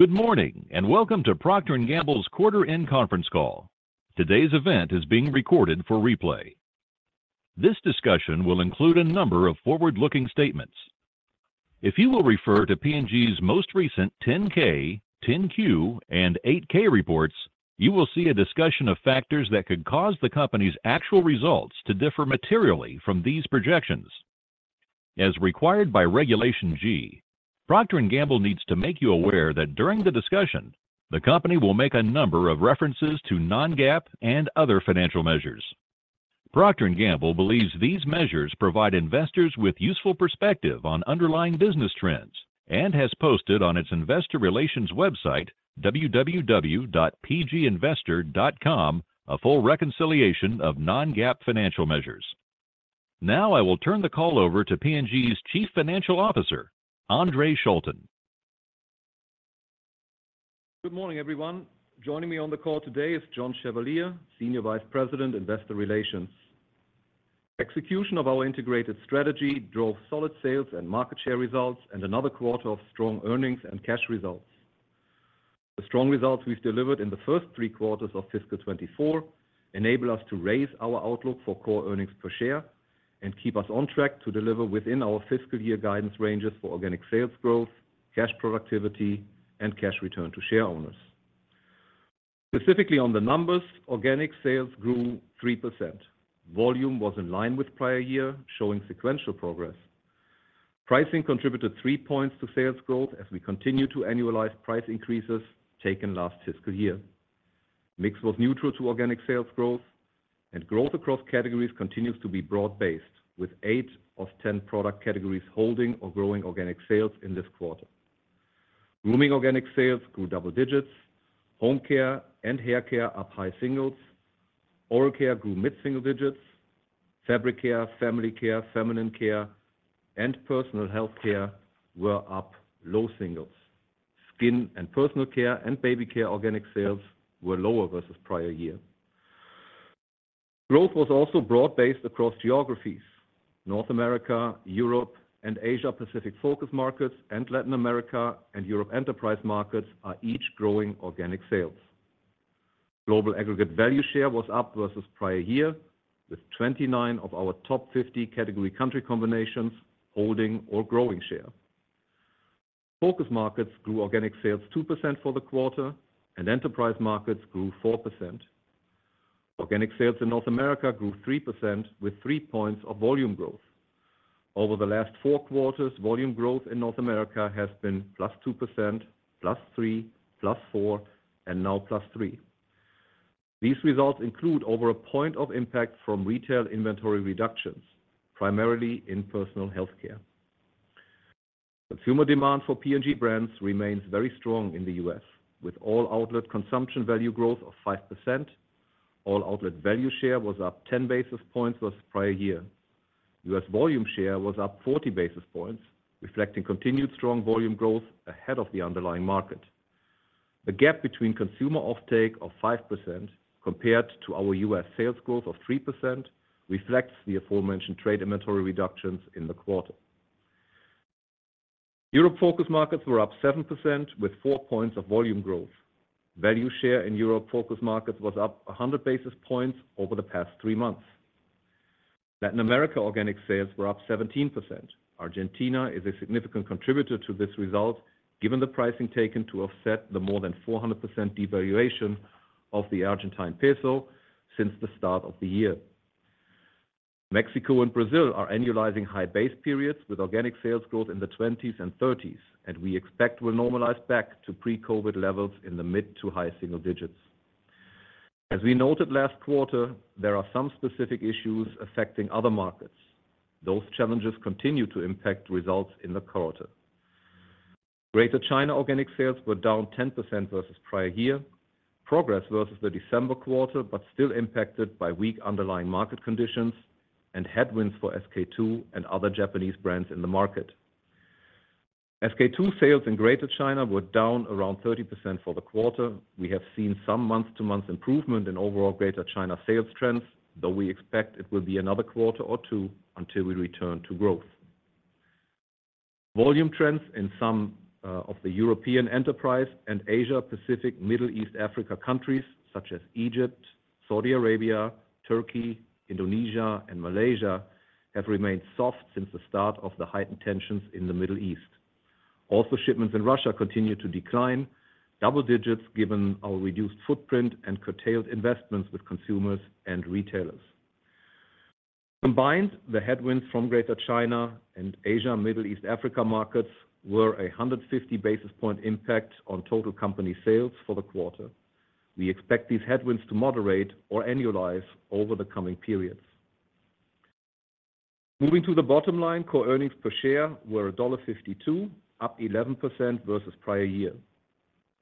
Good morning and welcome to Procter & Gamble's quarter-end conference call. Today's event is being recorded for replay. This discussion will include a number of forward-looking statements. If you will refer to P&G's most recent 10-K, 10-Q, and 8-K reports, you will see a discussion of factors that could cause the company's actual results to differ materially from these projections. As required by Regulation G, Procter & Gamble needs to make you aware that during the discussion, the company will make a number of references to non-GAAP and other financial measures. Procter & Gamble believes these measures provide investors with useful perspective on underlying business trends and has posted on its investor relations website, www.pginvestor.com, a full reconciliation of non-GAAP financial measures. Now I will turn the call over to P&G's Chief Financial Officer, Andre Schulten. Good morning, everyone. Joining me on the call today is John Chevalier, Senior Vice President, Investor Relations. Execution of our integrated strategy drove solid sales and market share results and another quarter of strong earnings and cash results. The strong results we've delivered in the first three quarters of fiscal 2024 enable us to raise our outlook for Core Earnings Per Share and keep us on track to deliver within our fiscal year guidance ranges for organic sales growth, cash productivity, and cash return to shareholders. Specifically on the numbers, organic sales grew 3%. Volume was in line with prior year, showing sequential progress. Pricing contributed three points to sales growth as we continue to annualize price increases taken last fiscal year. Mix was neutral to organic sales growth, and growth across categories continues to be broad-based, with eight of 10 product categories holding or growing organic sales in this quarter. Grooming organic sales grew double digits, Home Care and Hair Care up high singles, Oral Care grew mid-single digits, Fabric Care, Family Care, Feminine Care, and Personal Health Care were up low singles, Skin & Personal Care and Baby Care organic sales were lower versus prior year. Growth was also broad-based across geographies. North America, Europe, and Asia-Pacific Focus Markets, and Latin America and Europe Enterprise Markets are each growing organic sales. Global aggregate value share was up versus prior year, with 29 of our top 50 category country combinations holding or growing share. Focus Markets grew organic sales 2% for the quarter, and Enterprise Markets grew 4%. Organic sales in North America grew 3%, with three points of volume growth. Over the last four quarters, volume growth in North America has been +2%, +3%, +4%, and now +3%. These results include over a point of impact from retail inventory reductions, primarily in Personal Health Care. Consumer demand for P&G brands remains very strong in the U.S., with all-outlet consumption value growth of 5%. All-outlet value share was up 10 basis points versus prior year. U.S. volume share was up 40 basis points, reflecting continued strong volume growth ahead of the underlying market. The gap between consumer offtake of 5% compared to our U.S. sales growth of 3% reflects the aforementioned trade inventory reductions in the quarter. Europe Focus Markets were up 7%, with four points of volume growth. Value share in Europe Focus Markets was up 100 basis points over the past three months. Latin America organic sales were up 17%. Argentina is a significant contributor to this result, given the pricing taken to offset the more than 400% devaluation of the Argentine peso since the start of the year. Mexico and Brazil are annualizing high base periods with organic sales growth in the 20s-30s, and we expect will normalize back to pre-COVID levels in the mid- to high-single digits. As we noted last quarter, there are some specific issues affecting other markets. Those challenges continue to impact results in the quarter. Greater China organic sales were down 10% versus prior year, progress versus the December quarter but still impacted by weak underlying market conditions and headwinds for SK-II and other Japanese brands in the market. SK-II sales in Greater China were down around 30% for the quarter. We have seen some month-to-month improvement in overall Greater China sales trends, though we expect it will be another quarter or two until we return to growth. Volume trends in some of the Europe and emerging and Asia-Pacific, Middle East, Africa countries, such as Egypt, Saudi Arabia, Turkey, Indonesia, and Malaysia, have remained soft since the start of the heightened tensions in the Middle East. Also, shipments in Russia continue to decline, double digits given our reduced footprint and curtailed investments with consumers and retailers. Combined, the headwinds from Greater China and Asia-Middle East Africa markets were a 150 basis points impact on total company sales for the quarter. We expect these headwinds to moderate or annualize over the coming periods. Moving to the bottom line, core earnings per share were $1.52, up 11% versus prior year.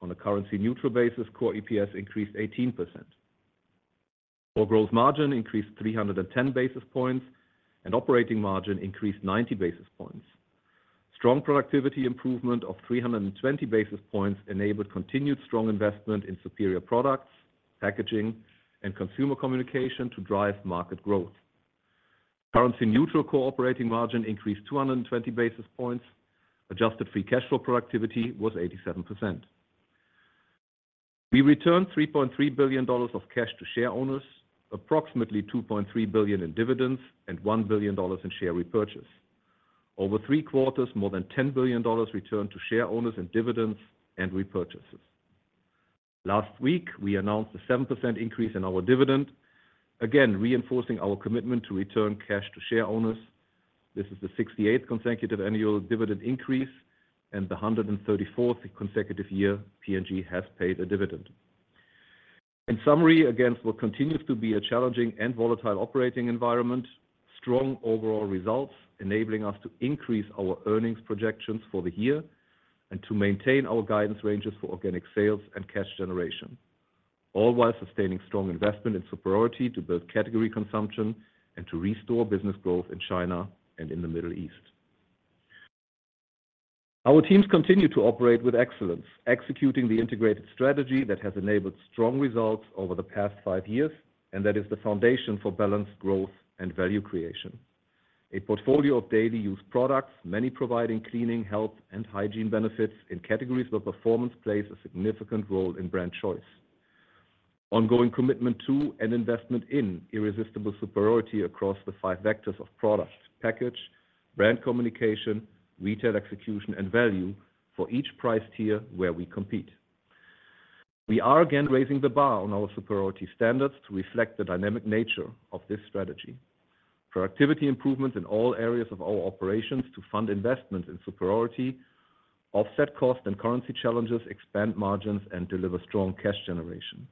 On a currency-neutral basis, core EPS increased 18%. Core gross margin increased 310 basis points, and operating margin increased 90 basis points. Strong productivity improvement of 320 basis points enabled continued strong investment in superior products, packaging, and consumer communication to drive market growth. Currency-neutral core operating margin increased 220 basis points. Adjusted free cash flow productivity was 87%. We returned $3.3 billion of cash to shareholders, approximately $2.3 billion in dividends, and $1 billion in share repurchase. Over three quarters, more than $10 billion returned to shareholders in dividends and repurchases. Last week, we announced a 7% increase in our dividend, again reinforcing our commitment to return cash to shareholders. This is the 68th consecutive annual dividend increase, and the 134th consecutive year P&G has paid a dividend. In summary, again, what continues to be a challenging and volatile operating environment: strong overall results enabling us to increase our earnings projections for the year and to maintain our guidance ranges for organic sales and cash generation, all while sustaining strong investment in superiority to build category consumption and to restore business growth in China and in the Middle East. Our teams continue to operate with excellence, executing the integrated strategy that has enabled strong results over the past five years and that is the foundation for balanced growth and value creation. A portfolio of daily-use products, many providing cleaning, health, and hygiene benefits in categories where performance plays a significant role in brand choice. Ongoing commitment to and investment in Irresistible Superiority across the five vectors of product, package, brand communication, retail execution, and value for each price tier where we compete. We are again raising the bar on our superiority standards to reflect the dynamic nature of this strategy. Productivity improvements in all areas of our operations to fund investments in superiority, offset costs and currency challenges, expand margins, and deliver strong cash generation.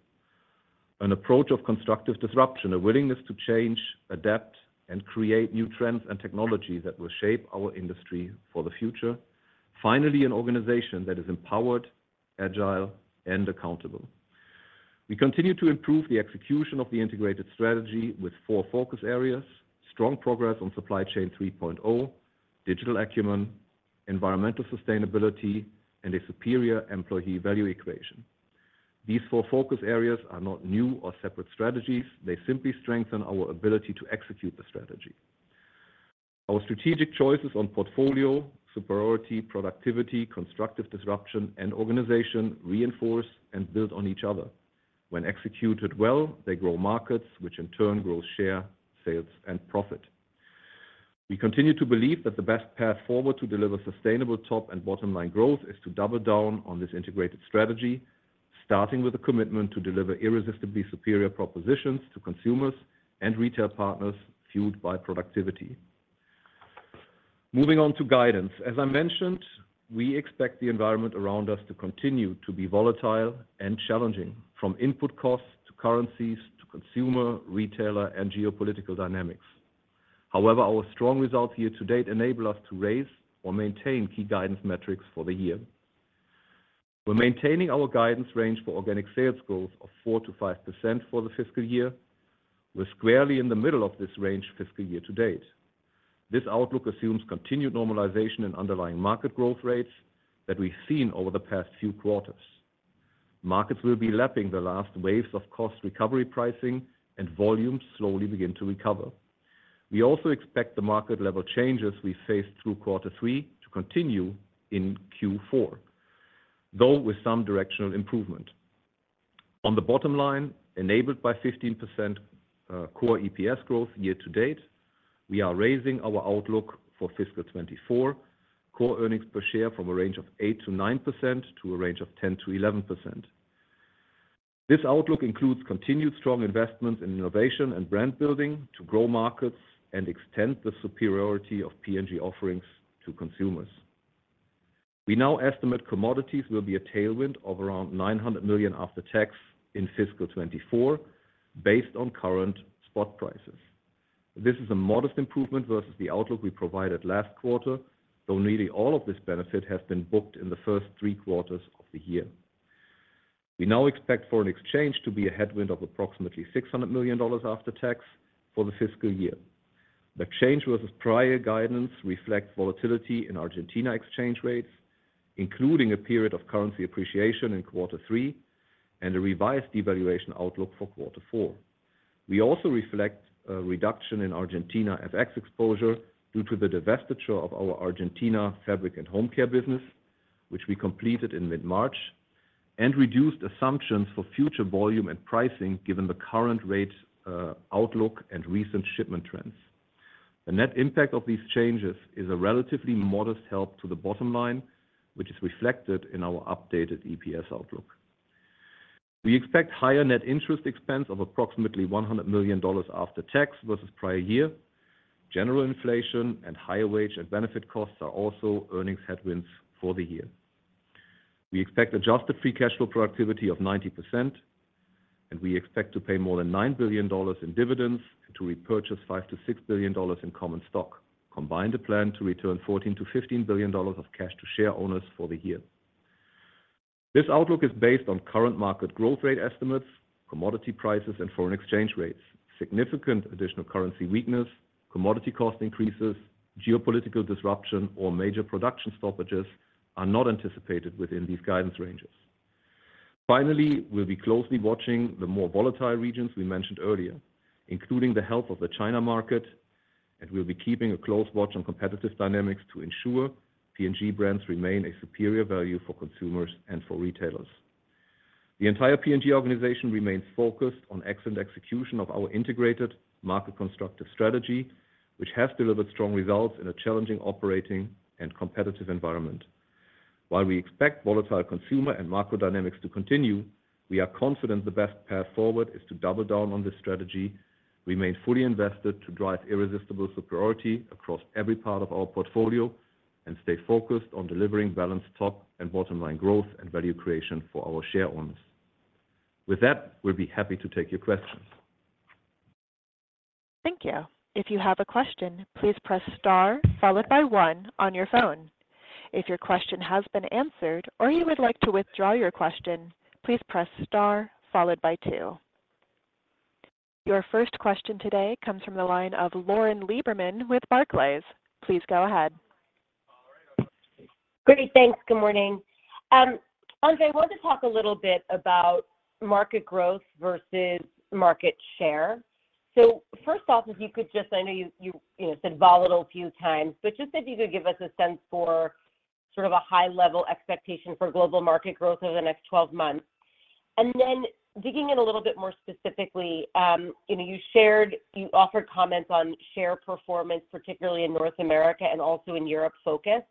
An approach of constructive disruption, a willingness to change, adapt, and create new trends and technology that will shape our industry for the future. Finally, an organization that is empowered, agile, and accountable. We continue to improve the execution of the integrated strategy with four focus areas: strong progress on Supply Chain 3.0, digital acumen, environmental sustainability, and a superior employee value equation. These four focus areas are not new or separate strategies. They simply strengthen our ability to execute the strategy. Our strategic choices on portfolio, superiority, productivity, constructive disruption, and organization reinforce and build on each other. When executed well, they grow markets, which in turn grow share, sales, and profit. We continue to believe that the best path forward to deliver sustainable top and bottom line growth is to double down on this integrated strategy, starting with a commitment to deliver irresistibly superior propositions to consumers and retail partners fueled by productivity. Moving on to guidance. As I mentioned, we expect the environment around us to continue to be volatile and challenging, from input costs to currencies to consumer, retailer, and geopolitical dynamics. However, our strong results year to date enable us to raise or maintain key guidance metrics for the year. We're maintaining our guidance range for organic sales growth of 4%-5% for the fiscal year. We're squarely in the middle of this range fiscal year to date. This outlook assumes continued normalization in underlying market growth rates that we've seen over the past few quarters. Markets will be lapping the last waves of cost recovery pricing, and volumes slowly begin to recover. We also expect the market-level changes we faced through quarter three to continue in Q4, though with some directional improvement. On the bottom line, enabled by 15% core EPS growth year to date, we are raising our outlook for fiscal 2024 core earnings per share from a range of 8%-9% to a range of 10%-11%. This outlook includes continued strong investments in innovation and brand building to grow markets and extend the superiority of P&G offerings to consumers. We now estimate commodities will be a tailwind of around $900 million after tax in fiscal 2024 based on current spot prices. This is a modest improvement versus the outlook we provided last quarter, though nearly all of this benefit has been booked in the first three quarters of the year. We now expect foreign exchange to be a headwind of approximately $600 million after tax for the fiscal year. The change versus prior guidance reflects volatility in Argentina exchange rates, including a period of currency appreciation in quarter three and a revised devaluation outlook for quarter four. We also reflect a reduction in Argentina FX exposure due to the divestiture of our Argentina Fabric and Home Care business, which we completed in mid-March, and reduced assumptions for future volume and pricing given the current rate outlook and recent shipment trends. The net impact of these changes is a relatively modest help to the bottom line, which is reflected in our updated EPS outlook. We expect higher net interest expense of approximately $100 million after tax versus prior year. General inflation and higher wage and benefit costs are also earnings headwinds for the year. We expect Adjusted Free Cash Flow Productivity of 90%, and we expect to pay more than $9 billion in dividends and to repurchase $5 billion-$6 billion in common stock. Combined, the plan to return $14 billion-$15 billion of cash to shareholders for the year. This outlook is based on current market growth rate estimates, commodity prices, and foreign exchange rates. Significant additional currency weakness, commodity cost increases, geopolitical disruption, or major production stoppages are not anticipated within these guidance ranges. Finally, we'll be closely watching the more volatile regions we mentioned earlier, including the health of the China market, and we'll be keeping a close watch on competitive dynamics to ensure P&G brands remain a superior value for consumers and for retailers. The entire P&G organization remains focused on excellent execution of our integrated market constructive strategy, which has delivered strong results in a challenging operating and competitive environment. While we expect volatile consumer and macro dynamics to continue, we are confident the best path forward is to double down on this strategy, remain fully invested to drive Irresistible Superiority across every part of our portfolio, and stay focused on delivering balanced top and bottom line growth and value creation for our shareholders. With that, we'll be happy to take your questions. Thank you. If you have a question, please press star followed by one on your phone. If your question has been answered or you would like to withdraw your question, please press star followed by two. Your first question today comes from the line of Lauren Lieberman with Barclays. Please go ahead. Great. Thanks. Good morning, Andre. I wanted to talk a little bit about market growth versus market share. So first off, if you could just, I know you said volatile a few times, but just if you could give us a sense for sort of a high-level expectation for global market growth over the next 12 months. And then digging in a little bit more specifically, you offered comments on share performance, particularly in North America and also in Europe focus.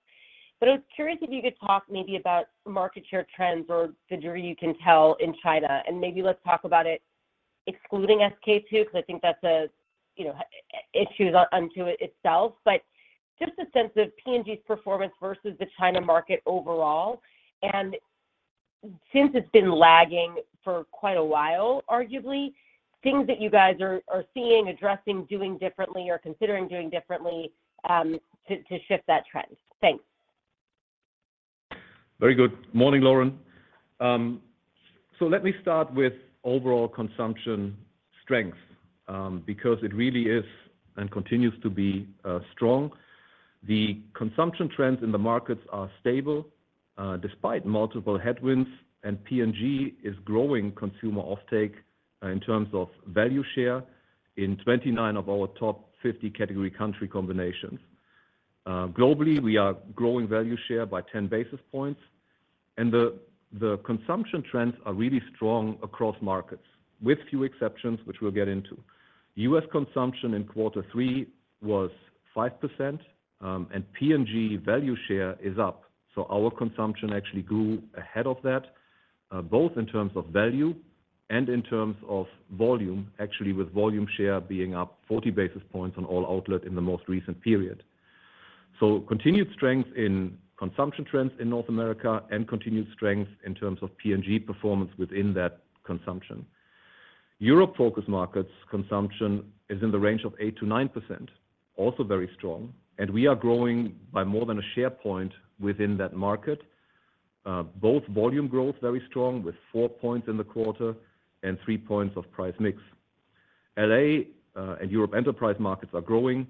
But I was curious if you could talk maybe about market share trends or the degree you can tell in China. And maybe let's talk about it excluding SK-II because I think that's an issue unto itself, but just a sense of P&G's performance versus the China market overall. Since it's been lagging for quite a while, arguably, things that you guys are seeing, addressing, doing differently, or considering doing differently to shift that trend? Thanks. Very good morning, Lauren. So let me start with overall consumption strength because it really is and continues to be strong. The consumption trends in the markets are stable despite multiple headwinds, and P&G is growing consumer offtake in terms of value share in 29 of our top 50 category country combinations. Globally, we are growing value share by 10 basis points. And the consumption trends are really strong across markets, with few exceptions, which we'll get into. U.S. consumption in quarter three was 5%, and P&G value share is up. So our consumption actually grew ahead of that, both in terms of value and in terms of volume, actually with volume share being up 40 basis points on all outlet in the most recent period. So continued strength in consumption trends in North America and continued strength in terms of P&G performance within that consumption. Europe Focus Markets consumption is in the range of 8%-9%, also very strong. We are growing by more than a share point within that market, both volume growth very strong with four points in the quarter and three points of price mix. LA and Europe Enterprise Markets are growing.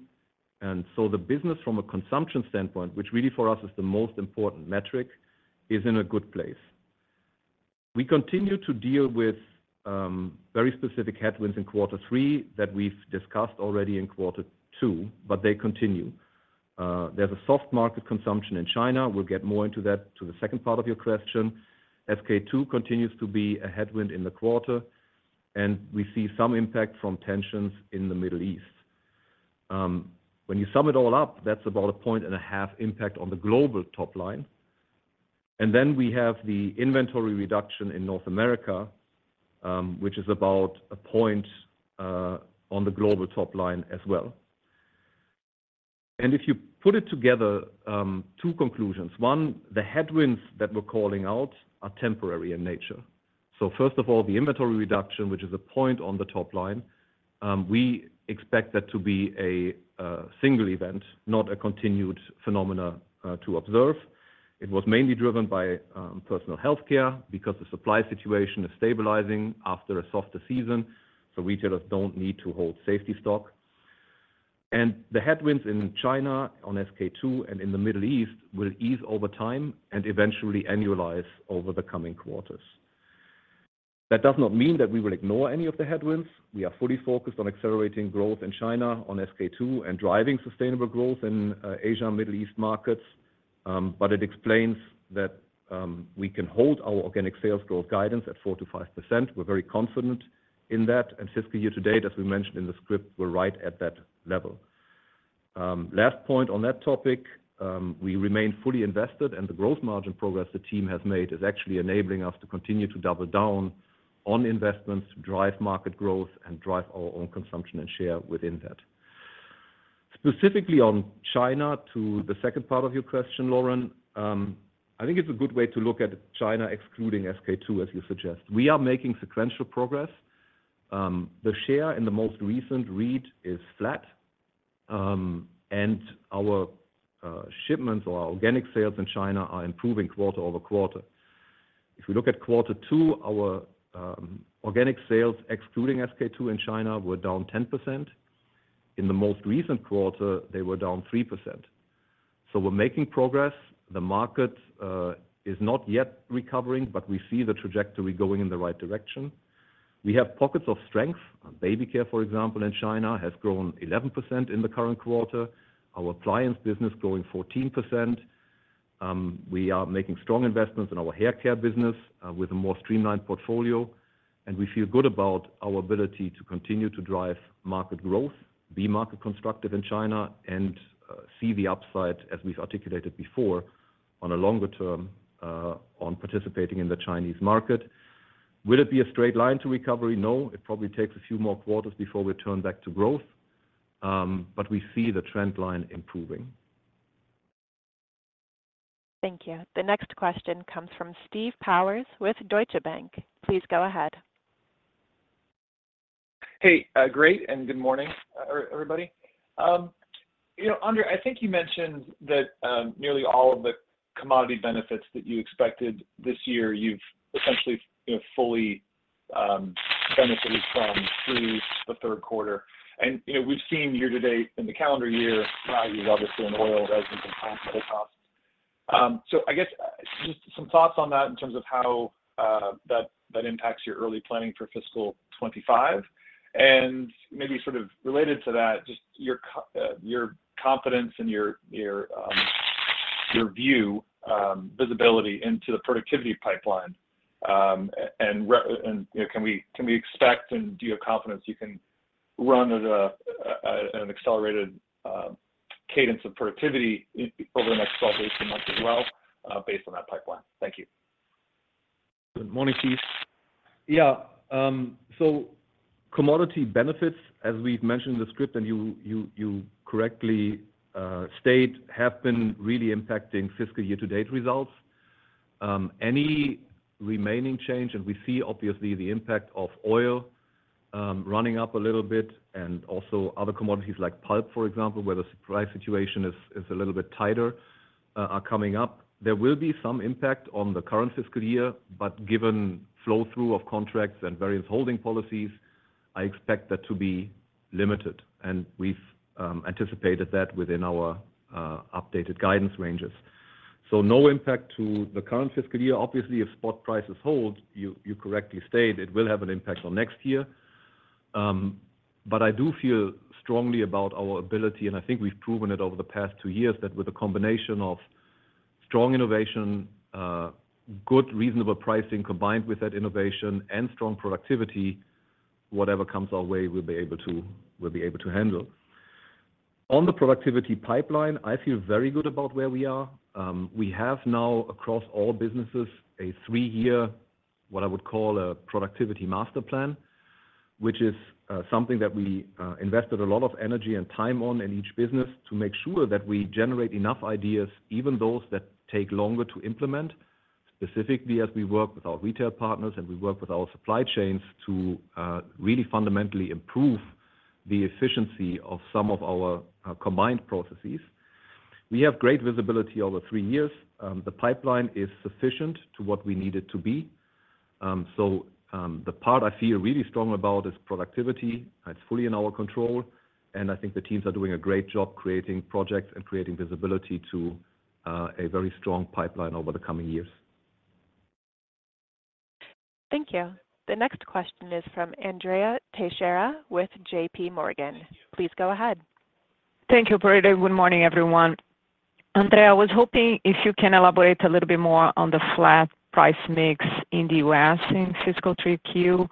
So the business from a consumption standpoint, which really for us is the most important metric, is in a good place. We continue to deal with very specific headwinds in quarter three that we've discussed already in quarter two, but they continue. There's a soft market consumption in China. We'll get more into that to the second part of your question. SK-II continues to be a headwind in the quarter, and we see some impact from tensions in the Middle East. When you sum it all up, that's about a 1.5-point impact on the global top line. Then we have the inventory reduction in North America, which is about one point on the global top line as well. If you put it together, two conclusions. One, the headwinds that we're calling out are temporary in nature. So first of all, the inventory reduction, which is 1 point on the top line, we expect that to be a single event, not a continued phenomenon to observe. It was mainly driven by personal healthcare because the supply situation is stabilizing after a softer season, so retailers don't need to hold safety stock. The headwinds in China on SK-II and in the Middle East will ease over time and eventually annualize over the coming quarters. That does not mean that we will ignore any of the headwinds. We are fully focused on accelerating growth in China on SK-II and driving sustainable growth in Asia and Middle East markets. But it explains that we can hold our organic sales growth guidance at 4%-5%. We're very confident in that. And fiscal year to date, as we mentioned in the script, we're right at that level. Last point on that topic, we remain fully invested, and the growth margin progress the team has made is actually enabling us to continue to double down on investments to drive market growth and drive our own consumption and share within that. Specifically on China to the second part of your question, Lauren, I think it's a good way to look at China excluding SK-II, as you suggest. We are making sequential progress. The share in the most recent read is flat, and our shipments or our organic sales in China are improving quarter-over-quarter. If we look at quarter two, our organic sales excluding SK-II in China were down 10%. In the most recent quarter, they were down 3%. So we're making progress. The market is not yet recovering, but we see the trajectory going in the right direction. We have pockets of strength. Babycare, for example, in China has grown 11% in the current quarter, our appliance business growing 14%. We are making strong investments in our haircare business with a more streamlined portfolio. And we feel good about our ability to continue to drive market growth, be market constructive in China, and see the upside, as we've articulated before, on a longer term on participating in the Chinese market. Will it be a straight line to recovery? No. It probably takes a few more quarters before we turn back to growth. We see the trend line improving. Thank you. The next question comes from Steve Powers with Deutsche Bank. Please go ahead. Hey. Great and good morning, everybody. Andre, I think you mentioned that nearly all of the commodity benefits that you expected this year, you've essentially fully benefited from through the third quarter. And we've seen year-to-date in the calendar year values, obviously, in oil as we've increased metal costs. So I guess just some thoughts on that in terms of how that impacts your early planning for fiscal 2025. And maybe sort of related to that, just your confidence and your view, visibility into the productivity pipeline. And can we expect and do you have confidence you can run at an accelerated cadence of productivity over the next 12 to 18 months as well based on that pipeline? Thank you. Good morning, Steve. Yeah. So commodity benefits, as we've mentioned in the script and you correctly state, have been really impacting fiscal year to date results. Any remaining change and we see, obviously, the impact of oil running up a little bit and also other commodities like pulp, for example, where the price situation is a little bit tighter, are coming up. There will be some impact on the current fiscal year, but given flow-through of contracts and various holding policies, I expect that to be limited. We've anticipated that within our updated guidance ranges. So no impact to the current fiscal year. Obviously, if spot prices hold, you correctly stated, it will have an impact on next year. But I do feel strongly about our ability, and I think we've proven it over the past two years, that with a combination of strong innovation, good reasonable pricing combined with that innovation, and strong productivity, whatever comes our way, we'll be able to handle. On the productivity pipeline, I feel very good about where we are. We have now, across all businesses, a three-year, what I would call a productivity master plan, which is something that we invested a lot of energy and time on in each business to make sure that we generate enough ideas, even those that take longer to implement, specifically as we work with our retail partners and we work with our supply chains to really fundamentally improve the efficiency of some of our combined processes. We have great visibility over three years. The pipeline is sufficient to what we need it to be. The part I feel really strong about is productivity. It's fully in our control. I think the teams are doing a great job creating projects and creating visibility to a very strong pipeline over the coming years. Thank you. The next question is from Andrea Teixeira with JPMorgan. Please go ahead. Thank you, Operator. Good morning, everyone. Andre, I was hoping if you can elaborate a little bit more on the flat price mix in the U.S. in fiscal 3Q.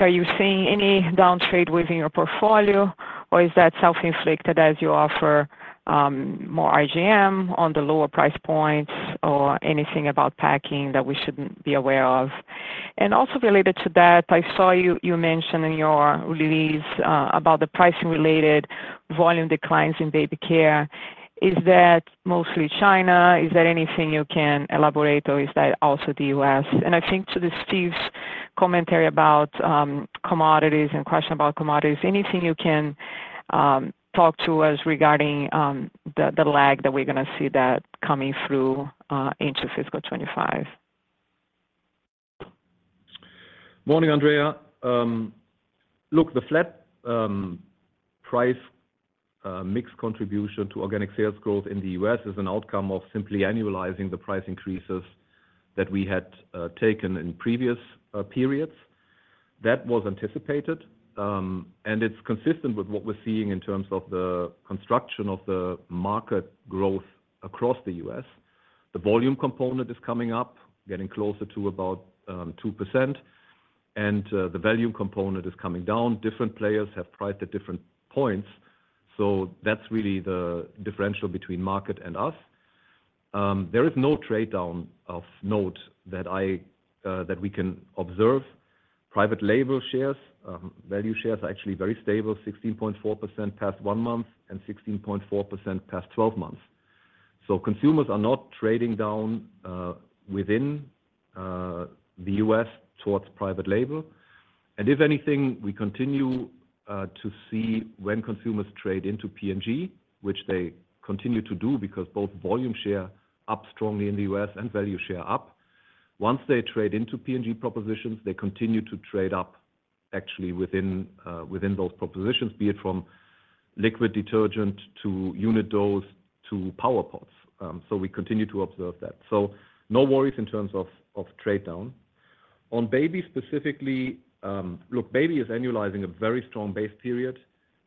Are you seeing any downtrade within your portfolio, or is that self-inflicted as you offer more IGM on the lower price points or anything about packing that we shouldn't be aware of? And also related to that, I saw you mention in your release about the pricing-related volume declines in babycare. Is that mostly China? Is that anything you can elaborate, or is that also the U.S.? And I think to Steve's commentary about commodities and question about commodities, anything you can talk to us regarding the lag that we're going to see that coming through into fiscal 2025? Morning, Andrea. Look, the flat price mix contribution to organic sales growth in the U.S. is an outcome of simply annualizing the price increases that we had taken in previous periods. That was anticipated. It's consistent with what we're seeing in terms of the construction of the market growth across the U.S. The volume component is coming up, getting closer to about 2%. The value component is coming down. Different players have priced at different points. So that's really the differential between market and us. There is no trade-down of note that we can observe. Private label shares, value shares, are actually very stable, 16.4% past one month and 16.4% past 12 months. So consumers are not trading down within the U.S. towards private label. If anything, we continue to see when consumers trade into P&G, which they continue to do because both volume share up strongly in the U.S. and value share up. Once they trade into P&G propositions, they continue to trade up actually within those propositions, be it from liquid detergent to unit dose to pods. We continue to observe that. No worries in terms of trade-down. On baby specifically, look, baby is annualizing a very strong base period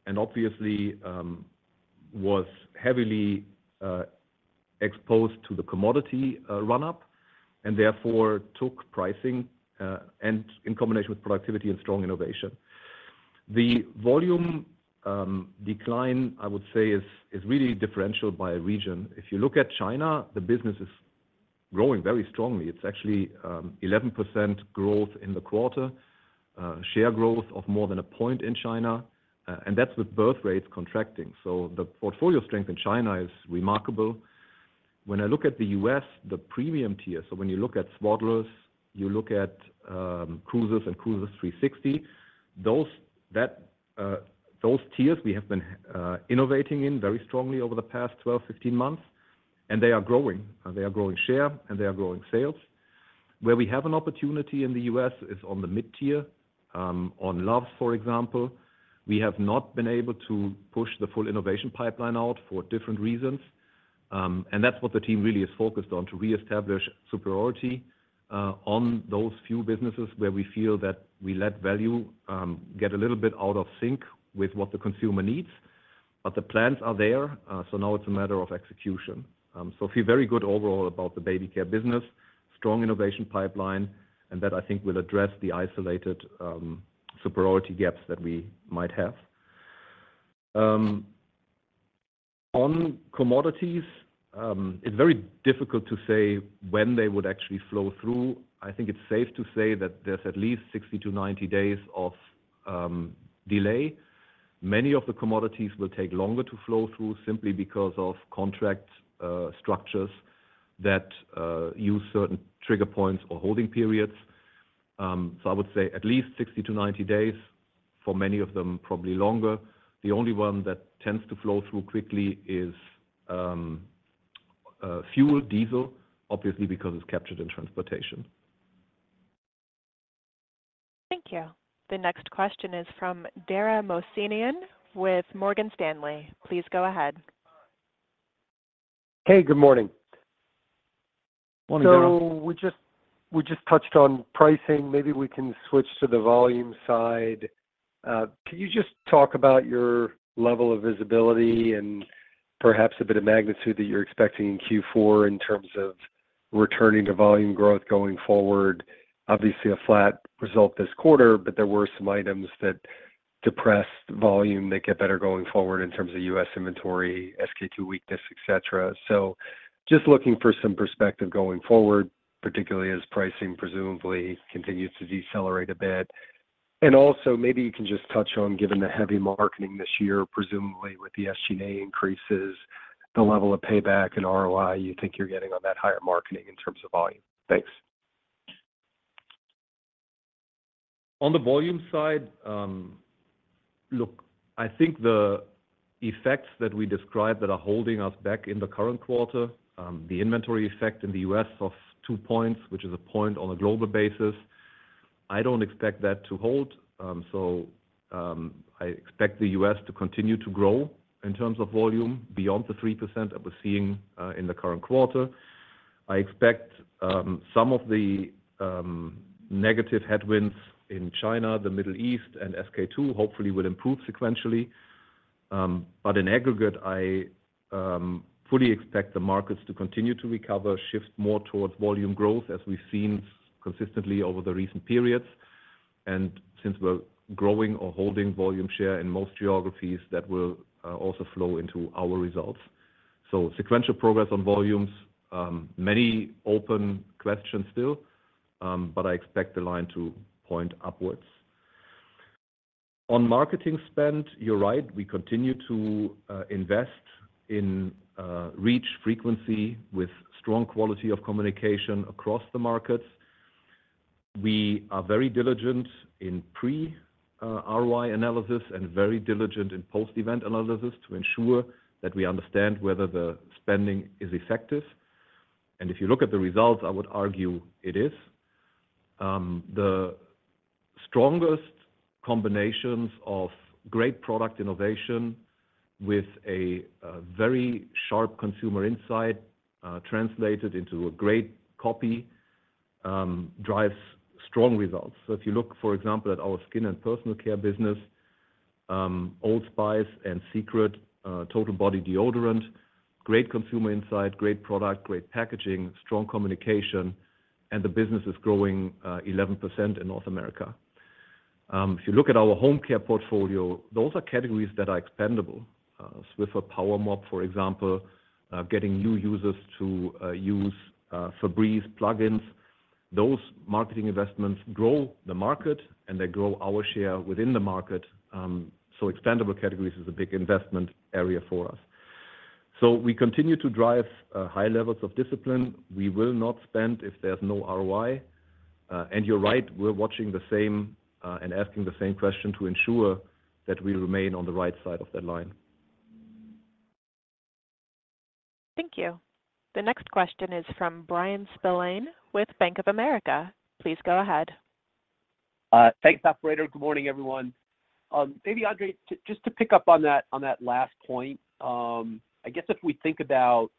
and obviously was heavily exposed to the commodity run-up and therefore took pricing and in combination with productivity and strong innovation. The volume decline, I would say, is really differential by region. If you look at China, the business is growing very strongly. It's actually 11% growth in the quarter, share growth of more than a point in China. And that's with birth rates contracting. So the portfolio strength in China is remarkable. When I look at the U.S., the premium tier, so when you look at Swaddlers, you look at Cruisers and Cruisers 360, those tiers we have been innovating in very strongly over the past 12, 15 months. And they are growing. They are growing share, and they are growing sales. Where we have an opportunity in the U.S. is on the mid-tier. On Luvs, for example, we have not been able to push the full innovation pipeline out for different reasons. And that's what the team really is focused on, to reestablish superiority on those few businesses where we feel that we let value get a little bit out of sync with what the consumer needs. But the plans are there. So now it's a matter of execution. So I feel very good overall about the babycare business, strong innovation pipeline, and that I think will address the isolated superiority gaps that we might have. On commodities, it's very difficult to say when they would actually flow through. I think it's safe to say that there's at least 60-90 days of delay. Many of the commodities will take longer to flow through simply because of contract structures that use certain trigger points or holding periods. So I would say at least 60-90 days, for many of them probably longer. The only one that tends to flow through quickly is fuel, diesel, obviously because it's captured in transportation. Thank you. The next question is from Dara Mohsenian with Morgan Stanley. Please go ahead. Hey. Good morning. Morning, Dara. So we just touched on pricing. Maybe we can switch to the volume side. Can you just talk about your level of visibility and perhaps a bit of magnitude that you're expecting in Q4 in terms of returning to volume growth going forward? Obviously, a flat result this quarter, but there were some items that depressed volume. They get better going forward in terms of U.S. inventory, SK-II weakness, etc. So just looking for some perspective going forward, particularly as pricing, presumably, continues to decelerate a bit. And also maybe you can just touch on, given the heavy marketing this year, presumably with the SG&A increases, the level of payback and ROI you think you're getting on that higher marketing in terms of volume. Thanks. On the volume side, look, I think the effects that we described that are holding us back in the current quarter, the inventory effect in the U.S. of two points, which is a point on a global basis, I don't expect that to hold. So I expect the U.S. to continue to grow in terms of volume beyond the 3% that we're seeing in the current quarter. I expect some of the negative headwinds in China, the Middle East, and SK-II hopefully will improve sequentially. But in aggregate, I fully expect the markets to continue to recover, shift more towards volume growth as we've seen consistently over the recent periods. And since we're growing or holding volume share in most geographies, that will also flow into our results. So sequential progress on volumes, many open questions still, but I expect the line to point upwards. On marketing spend, you're right. We continue to invest in reach, frequency, with strong quality of communication across the markets. We are very diligent in pre-ROI analysis and very diligent in post-event analysis to ensure that we understand whether the spending is effective. And if you look at the results, I would argue it is. The strongest combinations of great product innovation with a very sharp consumer insight translated into a great copy drives strong results. So if you look, for example, at our Skin & Personal Care business, Old Spice and Secret Total Body Deodorant, great consumer insight, great product, great packaging, strong communication, and the business is growing 11% in North America. If you look at our Home Care portfolio, those are categories that are expandable. Swiffer PowerMop, for example, getting new users to use Febreze plug-ins. Those marketing investments grow the market, and they grow our share within the market. Expandable categories is a big investment area for us. We continue to drive high levels of discipline. We will not spend if there's no ROI. You're right. We're watching the same and asking the same question to ensure that we remain on the right side of that line. Thank you. The next question is from Bryan Spillane with Bank of America. Please go ahead. Thanks, operator. Good morning, everyone. Maybe, Andre, just to pick up on that last point, I guess if we think about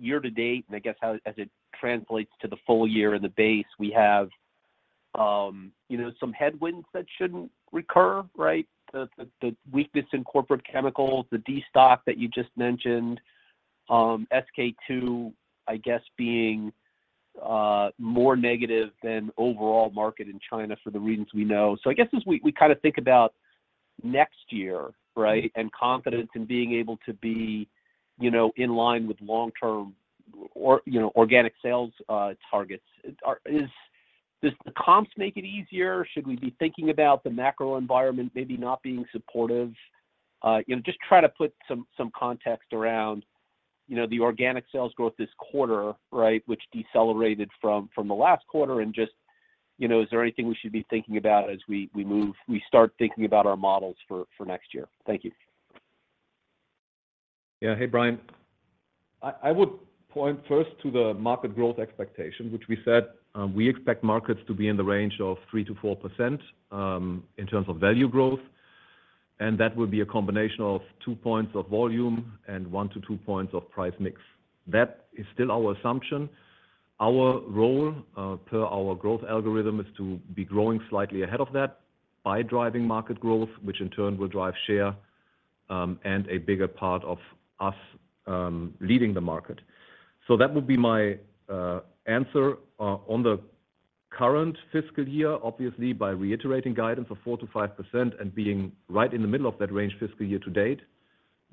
year to date and I guess as it translates to the full year and the base, we have some headwinds that shouldn't recur, right? The weakness in corporate chemicals, the destock that you just mentioned, SK-II, I guess, being more negative than overall market in China for the reasons we know. So I guess as we kind of think about next year, right, and confidence in being able to be in line with long-term organic sales targets, does the comps make it easier? Should we be thinking about the macro environment maybe not being supportive? Just try to put some context around the organic sales growth this quarter, right, which decelerated from the last quarter, and just is there anything we should be thinking about as we start thinking about our models for next year? Thank you. Yeah. Hey, Bryan. I would point first to the market growth expectation, which we said. We expect markets to be in the range of 3%-4% in terms of value growth. That will be a combination of 2two points of volume and one to two points of price mix. That is still our assumption. Our role, per our growth algorithm, is to be growing slightly ahead of that by driving market growth, which in turn will drive share and a bigger part of us leading the market. So that would be my answer on the current fiscal year, obviously, by reiterating guidance of 4%-5% and being right in the middle of that range fiscal year to date.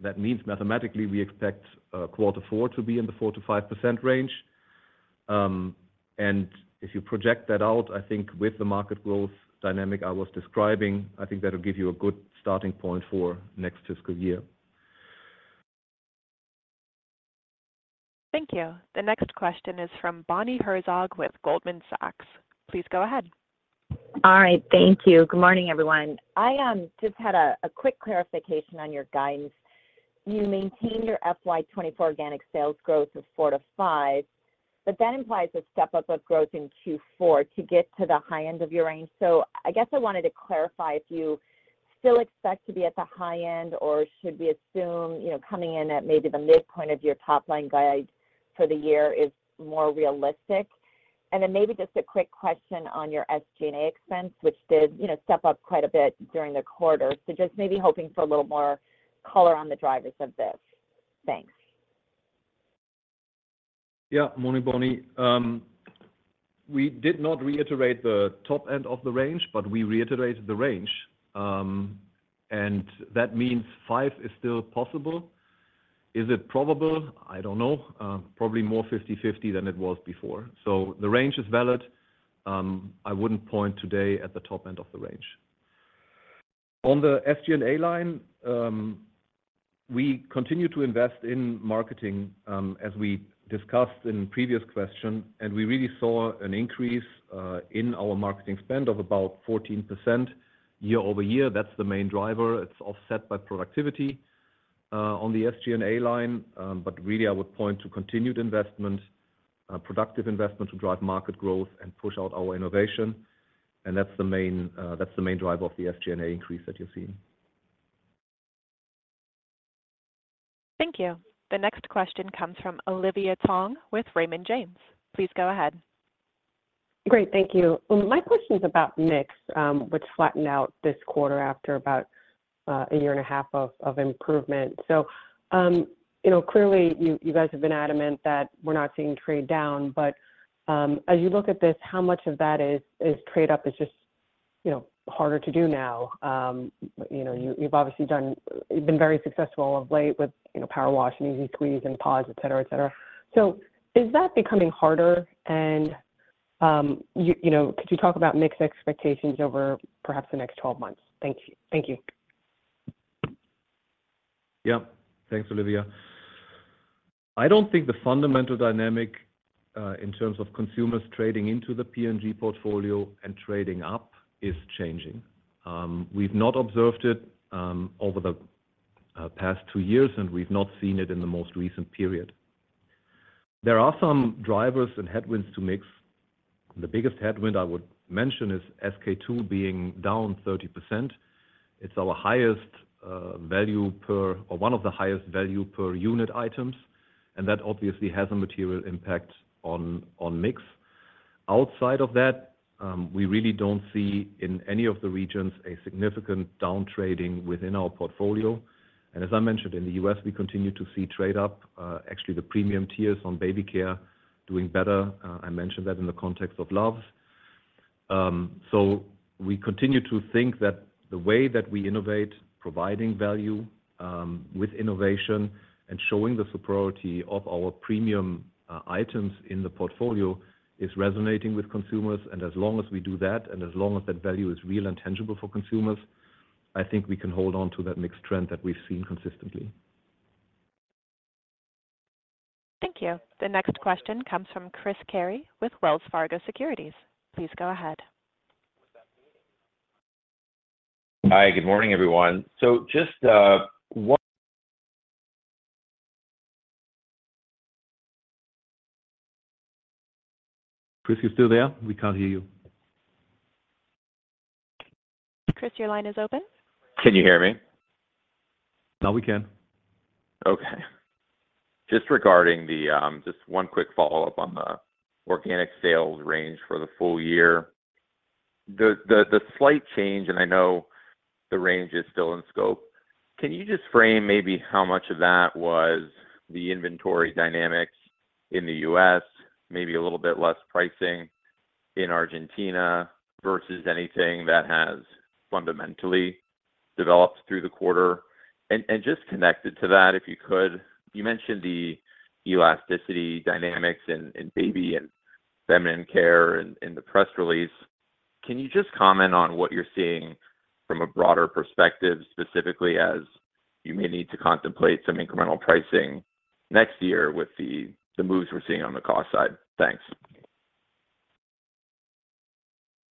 That means mathematically, we expect quarter four to be in the 4%-5% range. If you project that out, I think with the market growth dynamic I was describing, I think that will give you a good starting point for next fiscal year. Thank you. The next question is from Bonnie Herzog with Goldman Sachs. Please go ahead. All right. Thank you. Good morning, everyone. I just had a quick clarification on your guidance. You maintain your FY 2024 organic sales growth of 4%-5%, but that implies a step up of growth in Q4 to get to the high end of your range. So I guess I wanted to clarify if you still expect to be at the high end, or should we assume coming in at maybe the midpoint of your top-line guide for the year is more realistic? And then maybe just a quick question on your SG&A expense, which did step up quite a bit during the quarter. So just maybe hoping for a little more color on the drivers of this. Thanks. Yeah. Morning, Bonnie. We did not reiterate the top end of the range, but we reiterated the range. And that means five is still possible. Is it probable? I don't know. Probably more 50/50 than it was before. So the range is valid. I wouldn't point today at the top end of the range. On the SG&A line, we continue to invest in marketing, as we discussed in the previous question, and we really saw an increase in our marketing spend of about 14% year-over-year. That's the main driver. It's offset by productivity on the SG&A line. But really, I would point to continued investment, productive investment to drive market growth and push out our innovation. And that's the main drive of the SG&A increase that you're seeing. Thank you. The next question comes from Olivia Tong with Raymond James. Please go ahead. Great. Thank you. My question is about mix, which flattened out this quarter after about a year and a half of improvement. So clearly, you guys have been adamant that we're not seeing trade down. But as you look at this, how much of that is trade up? It's just harder to do now. You've obviously been very successful of late with Powerwash and EZ-Squeeze and PODS, etc., etc. So is that becoming harder? And could you talk about mix expectations over perhaps the next 12 months? Thank you. Yeah. Thanks, Olivia. I don't think the fundamental dynamic in terms of consumers trading into the P&G portfolio and trading up is changing. We've not observed it over the past two years, and we've not seen it in the most recent period. There are some drivers and headwinds to mix. The biggest headwind I would mention is SK-II being down 30%. It's our highest value per or one of the highest value per unit items. And that obviously has a material impact on mix. Outside of that, we really don't see in any of the regions a significant downtrading within our portfolio. And as I mentioned, in the U.S., we continue to see trade up. Actually, the premium tier is on babycare doing better. I mentioned that in the context of Luvs. We continue to think that the way that we innovate, providing value with innovation, and showing the superiority of our premium items in the portfolio is resonating with consumers. As long as we do that and as long as that value is real and tangible for consumers, I think we can hold on to that mix trend that we've seen consistently. Thank you. The next question comes from Chris Carey with Wells Fargo Securities. Please go ahead. Hi. Good morning, everyone. Just one. Chris, you're still there? We can't hear you. Chris, your line is open. Can you hear me? Now we can. Okay. Just regarding the just one quick follow-up on the organic sales range for the full year. The slight change and I know the range is still in scope. Can you just frame maybe how much of that was the inventory dynamics in the U.S., maybe a little bit less pricing in Argentina versus anything that has fundamentally developed through the quarter? And just connected to that, if you could, you mentioned the elasticity dynamics in Baby and Feminine Care in the press release. Can you just comment on what you're seeing from a broader perspective, specifically as you may need to contemplate some incremental pricing next year with the moves we're seeing on the cost side? Thanks.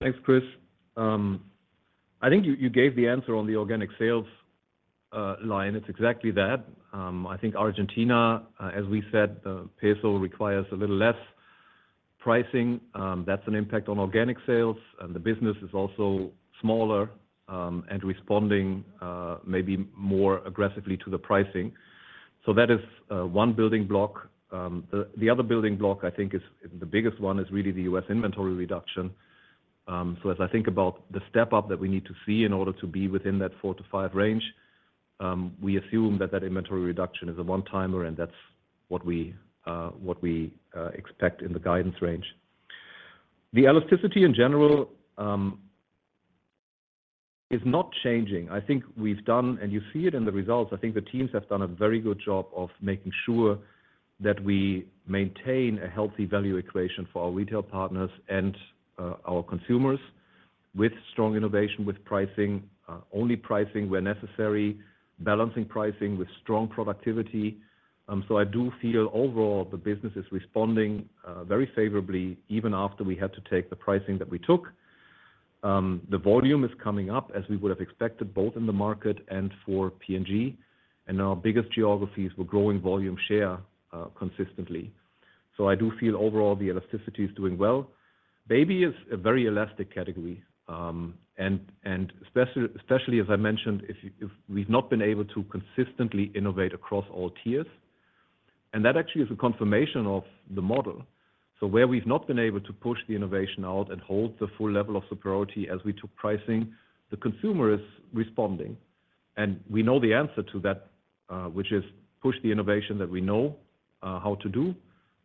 Thanks, Chris. I think you gave the answer on the organic sales line. It's exactly that. I think Argentina, as we said, the peso requires a little less pricing. That's an impact on organic sales. And the business is also smaller and responding maybe more aggressively to the pricing. So that is one building block. The other building block, I think, is the biggest one is really the U.S. inventory reduction. So as I think about the step up that we need to see in order to be within that 4%-5% range, we assume that that inventory reduction is a one-timer, and that's what we expect in the guidance range. The elasticity in general is not changing. I think we've done and you see it in the results. I think the teams have done a very good job of making sure that we maintain a healthy value equation for our retail partners and our consumers with strong innovation, with pricing, only pricing where necessary, balancing pricing with strong productivity. So I do feel overall the business is responding very favorably even after we had to take the pricing that we took. The volume is coming up as we would have expected both in the market and for P&G. Our biggest geographies were growing volume share consistently. So I do feel overall the elasticity is doing well. Baby is a very elastic category. And especially, as I mentioned, if we've not been able to consistently innovate across all tiers and that actually is a confirmation of the model. Where we've not been able to push the innovation out and hold the full level of superiority as we took pricing, the consumer is responding. We know the answer to that, which is push the innovation that we know how to do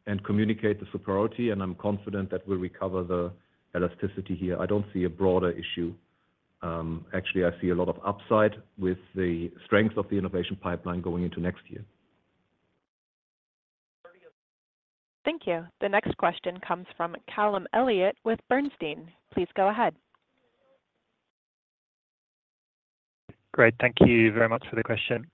and communicate the superiority. I'm confident that we'll recover the elasticity here. I don't see a broader issue. Actually, I see a lot of upside with the strength of the innovation pipeline going into next year. Thank you. The next question comes from Callum Elliott with Bernstein. Please go ahead. Great. Thank you very much for the question.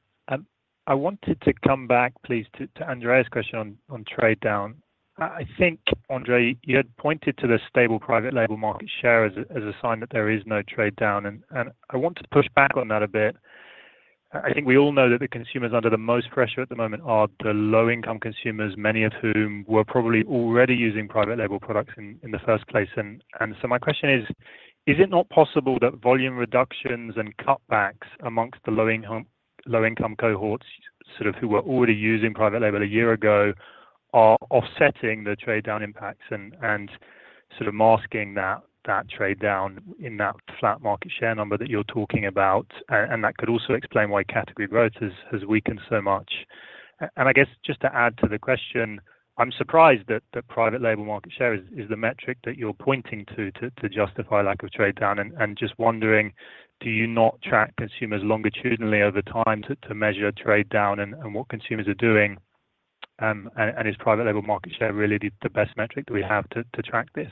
I wanted to come back, please, to Andre's question on trade down. I think, Andre, you had pointed to the stable private label market share as a sign that there is no trade down. And I want to push back on that a bit. I think we all know that the consumers under the most pressure at the moment are the low-income consumers, many of whom were probably already using private label products in the first place. And so my question is, is it not possible that volume reductions and cutbacks amongst the low-income cohorts sort of who were already using private label a year ago are offsetting the trade down impacts and sort of masking that trade down in that flat market share number that you're talking about? And that could also explain why category growth has weakened so much. I guess just to add to the question, I'm surprised that private label market share is the metric that you're pointing to to justify lack of trade down. Just wondering, do you not track consumers longitudinally over time to measure trade down and what consumers are doing? Is private label market share really the best metric that we have to track this?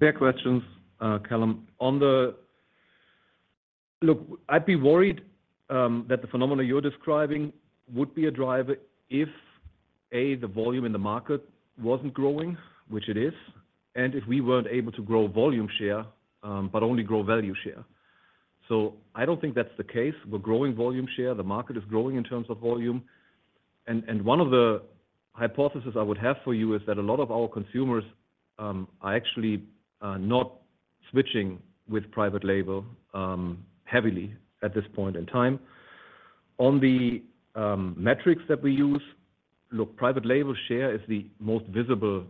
Fair questions, Callum. Look, I'd be worried that the phenomenon you're describing would be a driver if, A, the volume in the market wasn't growing, which it is, and if we weren't able to grow volume share but only grow value share. So I don't think that's the case. We're growing volume share. The market is growing in terms of volume. And one of the hypotheses I would have for you is that a lot of our consumers are actually not switching with private label heavily at this point in time. On the metrics that we use, look, private label share is the most visible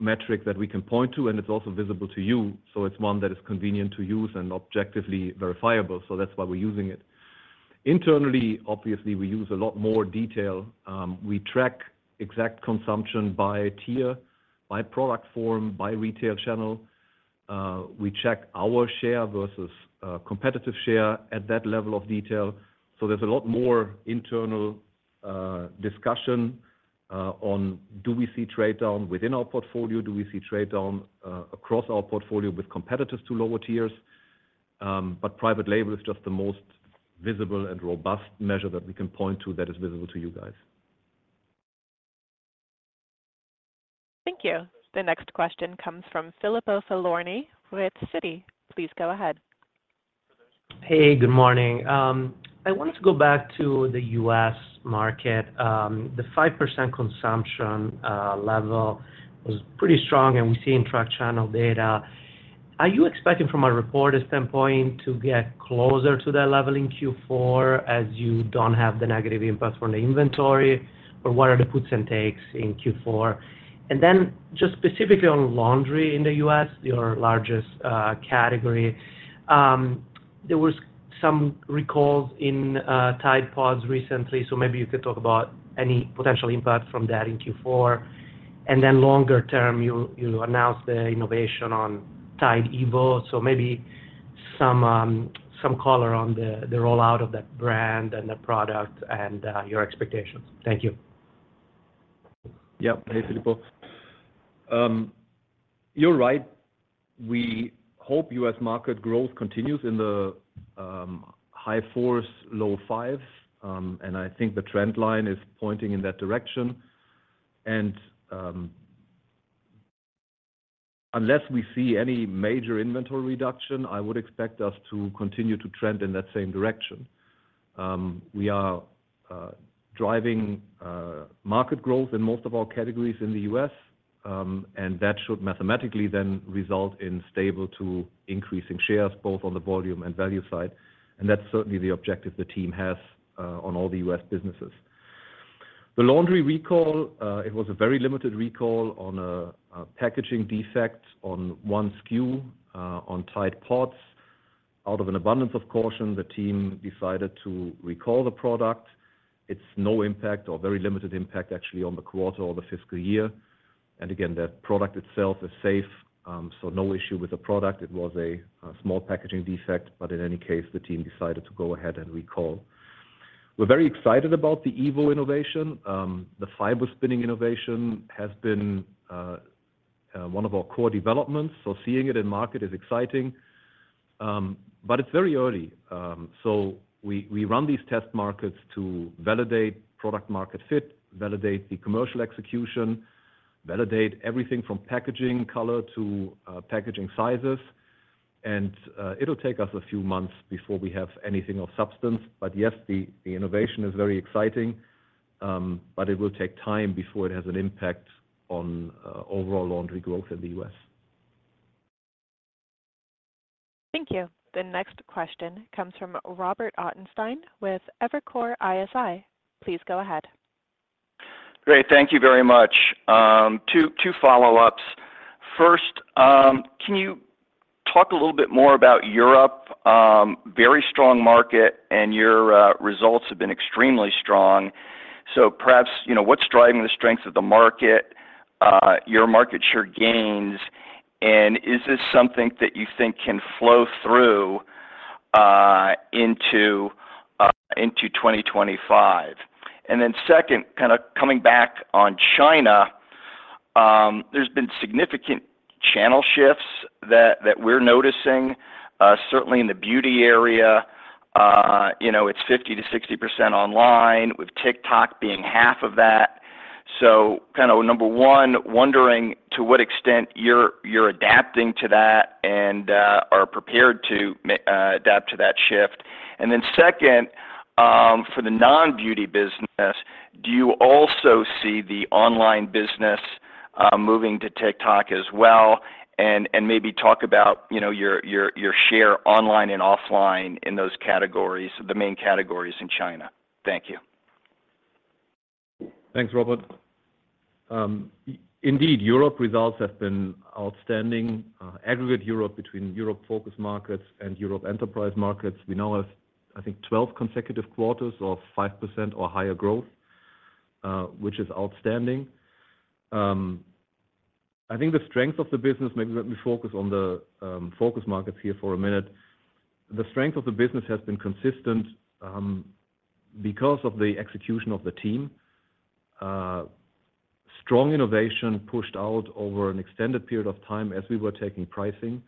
metric that we can point to. And it's also visible to you. So it's one that is convenient to use and objectively verifiable. So that's why we're using it. Internally, obviously, we use a lot more detail. We track exact consumption by tier, by product form, by retail channel. We check our share versus competitive share at that level of detail. So there's a lot more internal discussion on, do we see trade down within our portfolio? Do we see trade down across our portfolio with competitors to lower tiers? But private label is just the most visible and robust measure that we can point to that is visible to you guys. Thank you. The next question comes from Filippo Falorni with Citi. Please go ahead. Hey. Good morning. I wanted to go back to the U.S. market. The 5% consumption level was pretty strong, and we see in tracked channel data. Are you expecting from a reporter's standpoint to get closer to that level in Q4 as you don't have the negative impact from the inventory? Or what are the puts and takes in Q4? And then just specifically on laundry in the U.S., your largest category, there were some recalls in Tide PODS recently. So maybe you could talk about any potential impact from that in Q4. And then longer term, you announced the innovation on Tide evo. So maybe some color on the rollout of that brand and that product and your expectations. Thank you. Yeah. Hey, Filippo. You're right. We hope U.S. market growth continues in the high fours, low fives. I think the trend line is pointing in that direction. Unless we see any major inventory reduction, I would expect us to continue to trend in that same direction. We are driving market growth in most of our categories in the U.S. That should mathematically then result in stable to increasing shares both on the volume and value side. That's certainly the objective the team has on all the U.S. businesses. The laundry recall, it was a very limited recall on a packaging defect on one SKU on Tide PODS. Out of an abundance of caution, the team decided to recall the product. It's no impact or very limited impact, actually, on the quarter or the fiscal year. Again, that product itself is safe. So no issue with the product. It was a small packaging defect. But in any case, the team decided to go ahead and recall. We're very excited about the Evo innovation. The fiber spinning innovation has been one of our core developments. So seeing it in market is exciting. But it's very early. So we run these test markets to validate product-market fit, validate the commercial execution, validate everything from packaging color to packaging sizes. And it'll take us a few months before we have anything of substance. But yes, the innovation is very exciting. But it will take time before it has an impact on overall laundry growth in the U.S. Thank you. The next question comes from Robert Ottenstein with Evercore ISI. Please go ahead. Great. Thank you very much. Two follow-ups. First, can you talk a little bit more about Europe? Very strong market, and your results have been extremely strong. So perhaps what's driving the strength of the market, your market share gains? And is this something that you think can flow through into 2025? And then second, kind of coming back on China, there's been significant channel shifts that we're noticing, certainly in the beauty area. It's 50%-60% online, with TikTok being half of that. So kind of number one, wondering to what extent you're adapting to that and are prepared to adapt to that shift. And then second, for the non-beauty business, do you also see the online business moving to TikTok as well? And maybe talk about your share online and offline in those categories, the main categories in China. Thank you. Thanks, Robert. Indeed, Europe results have been outstanding, aggregate Europe between Europe Focus Markets and Europe Enterprise Markets. We now have, I think, 12 consecutive quarters of 5% or higher growth, which is outstanding. I think the strength of the business maybe let me focus on the Focus Markets here for a minute. The strength of the business has been consistent because of the execution of the team, strong innovation pushed out over an extended period of time as we were taking pricing,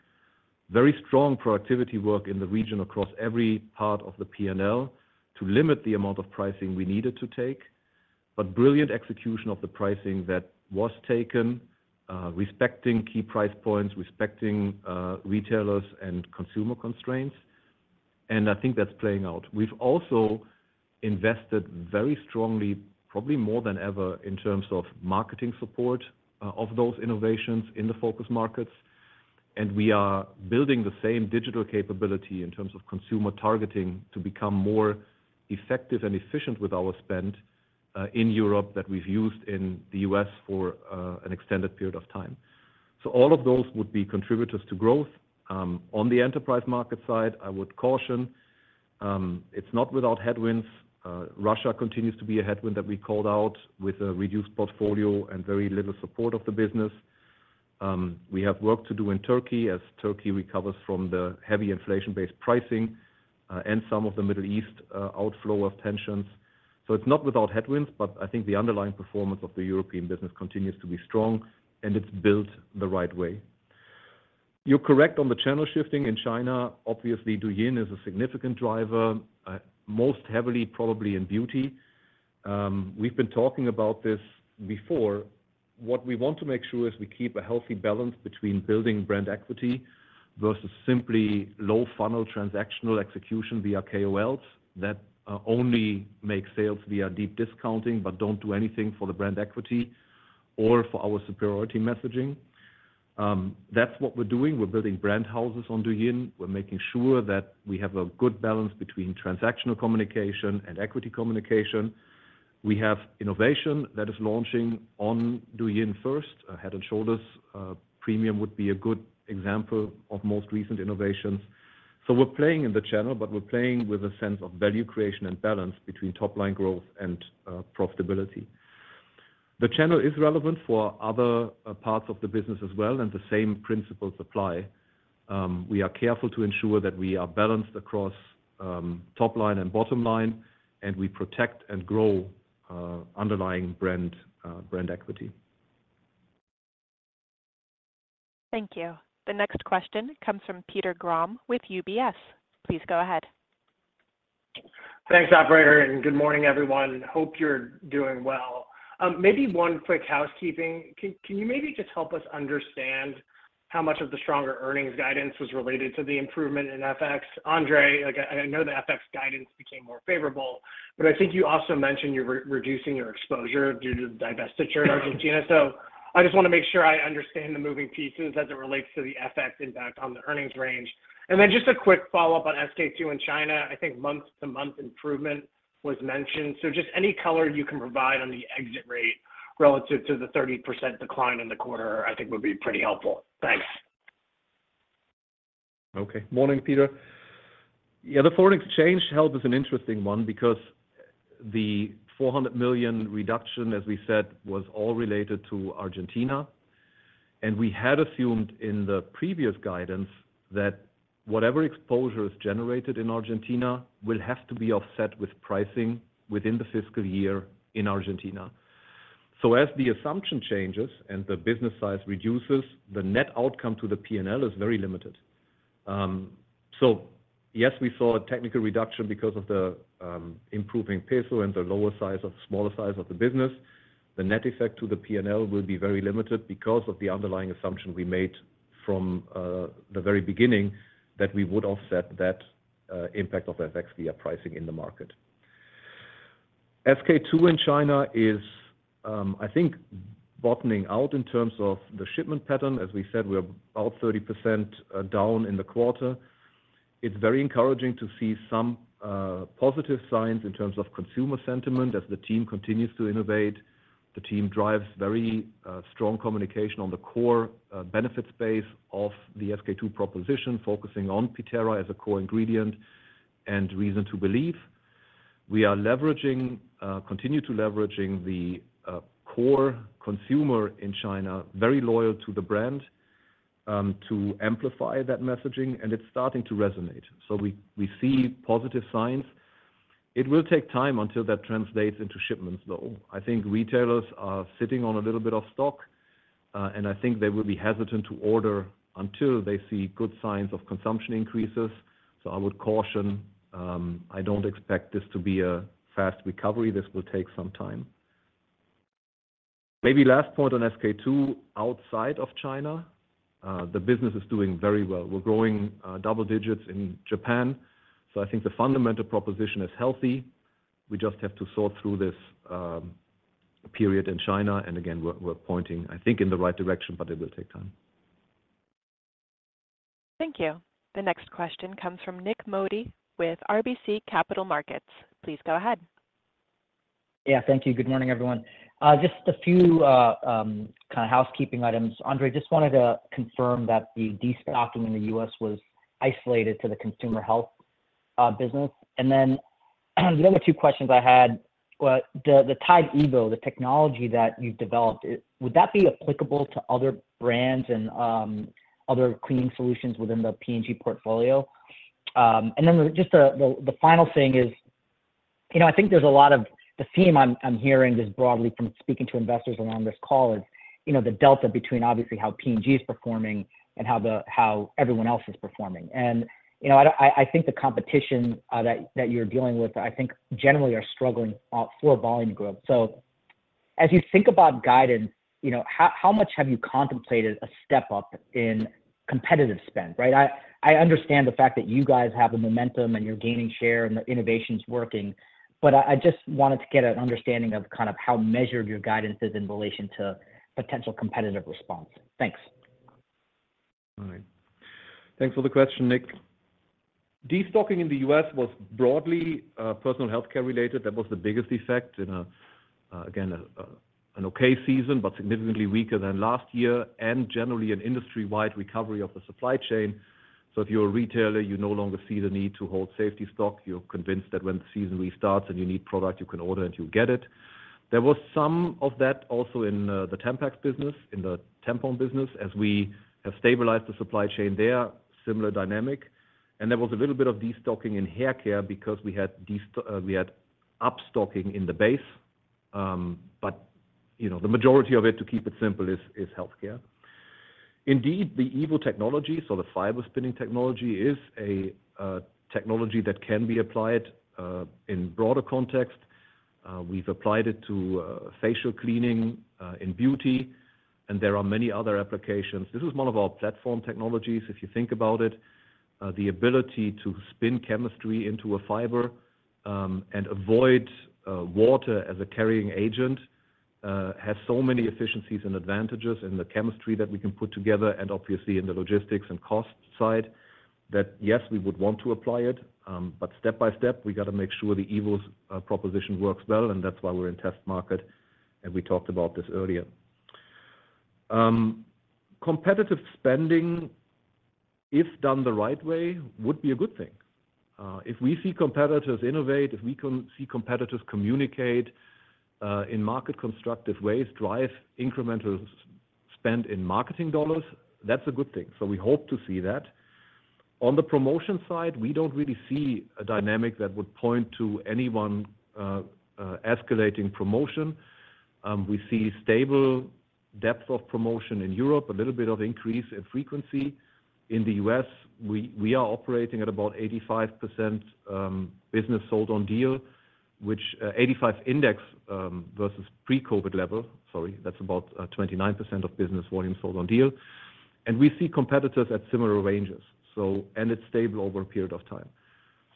very strong productivity work in the region across every part of the P&L to limit the amount of pricing we needed to take, but brilliant execution of the pricing that was taken, respecting key price points, respecting retailers and consumer constraints. And I think that's playing out. We've also invested very strongly, probably more than ever, in terms of marketing support of those innovations in the Focus Markets. We are building the same digital capability in terms of consumer targeting to become more effective and efficient with our spend in Europe that we've used in the U.S. for an extended period of time. All of those would be contributors to growth. On the European market side, I would caution. It's not without headwinds. Russia continues to be a headwind that we called out with a reduced portfolio and very little support of the business. We have work to do in Turkey as Turkey recovers from the heavy inflation-based pricing and some of the Middle East outbreak of tensions. It's not without headwinds, but I think the underlying performance of the European business continues to be strong, and it's built the right way. You're correct on the channel shifting in China. Obviously, Douyin is a significant driver, most heavily probably in beauty. We've been talking about this before. What we want to make sure is we keep a healthy balance between building brand equity versus simply low-funnel transactional execution via KOLs that only make sales via deep discounting but don't do anything for the brand equity or for our superiority messaging. That's what we're doing. We're building brand houses on Douyin. We're making sure that we have a good balance between transactional communication and equity communication. We have innovation that is launching on Douyin first. Head & Shoulders premium would be a good example of most recent innovations. So we're playing in the channel, but we're playing with a sense of value creation and balance between top-line growth and profitability. The channel is relevant for other parts of the business as well, and the same principles apply. We are careful to ensure that we are balanced across top-line and bottom line, and we protect and grow underlying brand equity. Thank you. The next question comes from Peter Grom with UBS. Please go ahead. Thanks, operator. And good morning, everyone. Hope you're doing well. Maybe one quick housekeeping. Can you maybe just help us understand how much of the stronger earnings guidance was related to the improvement in FX? Andre, I know the FX guidance became more favorable, but I think you also mentioned you're reducing your exposure due to the divestiture in Argentina. So I just want to make sure I understand the moving pieces as it relates to the FX impact on the earnings range. And then just a quick follow-up on SK-II in China. I think month-to-month improvement was mentioned. So just any color you can provide on the exit rate relative to the 30% decline in the quarter, I think, would be pretty helpful. Thanks. Okay. Morning, Peter. Yeah, the foreign exchange headwind is an interesting one because the $400 million reduction, as we said, was all related to Argentina. We had assumed in the previous guidance that whatever exposure is generated in Argentina will have to be offset with pricing within the fiscal year in Argentina. So as the assumption changes and the business size reduces, the net outcome to the P&L is very limited. So yes, we saw a technical reduction because of the improving peso and the smaller size of the business. The net effect to the P&L will be very limited because of the underlying assumption we made from the very beginning that we would offset that impact of FX via pricing in the market. SK-II in China is, I think, bottoming out in terms of the shipment pattern. As we said, we're about 30% down in the quarter. It's very encouraging to see some positive signs in terms of consumer sentiment as the team continues to innovate. The team drives very strong communication on the core benefit space of the SK-II proposition, focusing on Pitera as a core ingredient and reason to believe. We continue to leverage the core consumer in China, very loyal to the brand, to amplify that messaging. It's starting to resonate. We see positive signs. It will take time until that translates into shipments, though. I think retailers are sitting on a little bit of stock. I think they will be hesitant to order until they see good signs of consumption increases. I would caution. I don't expect this to be a fast recovery. This will take some time. Maybe last point on SK-II outside of China. The business is doing very well. We're growing double digits in Japan. I think the fundamental proposition is healthy. We just have to sort through this period in China. Again, we're pointing, I think, in the right direction, but it will take time. Thank you. The next question comes from Nik Modi with RBC Capital Markets. Please go ahead. Yeah. Thank you. Good morning, everyone. Just a few kind of housekeeping items. Andre, just wanted to confirm that the destocking in the U.S. was isolated to the consumer health business. And then the other two questions I had, the Tide evo, the technology that you've developed, would that be applicable to other brands and other cleaning solutions within the P&G portfolio? And then just the final thing is, I think there's a lot of the theme I'm hearing just broadly from speaking to investors along this call is the delta between, obviously, how P&G is performing and how everyone else is performing. And I think the competition that you're dealing with, I think, generally are struggling for volume growth. So as you think about guidance, how much have you contemplated a step up in competitive spend, right? I understand the fact that you guys have the momentum and you're gaining share and the innovation is working, but I just wanted to get an understanding of kind of how measured your guidance is in relation to potential competitive response? Thanks. All right. Thanks for the question, Nik. Destocking in the U.S. was broadly personal healthcare related. That was the biggest effect in, again, an okay season but significantly weaker than last year and generally an industry-wide recovery of the supply chain. So if you're a retailer, you no longer see the need to hold safety stock. You're convinced that when the season restarts and you need product, you can order and you'll get it. There was some of that also in the Tampax business, in the tampon business. As we have stabilized the supply chain there, similar dynamic. And there was a little bit of destocking in haircare because we had upstocking in the base. But the majority of it, to keep it simple, is healthcare. Indeed, the Evo technology, so the fiber spinning technology, is a technology that can be applied in broader context. We've applied it to facial cleaning in beauty. There are many other applications. This is one of our platform technologies, if you think about it. The ability to spin chemistry into a fiber and avoid water as a carrying agent has so many efficiencies and advantages in the chemistry that we can put together and, obviously, in the logistics and cost side that, yes, we would want to apply it. But step by step, we got to make sure the Evo's proposition works well. That's why we're in test market. We talked about this earlier. Competitive spending, if done the right way, would be a good thing. If we see competitors innovate, if we see competitors communicate in market constructive ways, drive incremental spend in marketing dollars, that's a good thing. We hope to see that. On the promotion side, we don't really see a dynamic that would point to anyone escalating promotion. We see stable depth of promotion in Europe, a little bit of increase in frequency. In the U.S., we are operating at about 85% business sold on deal, which 85 index versus pre-COVID level sorry, that's about 29% of business volume sold on deal. And we see competitors at similar ranges, and it's stable over a period of time.